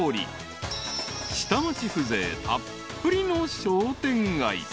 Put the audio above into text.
［下町風情たっぷりの商店街］